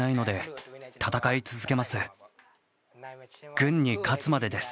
軍に勝つまでです。